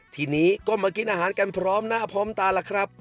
ทีนี้ก็มากินอาหารกันพร้อมหน้าพร้อมตาล่ะครับ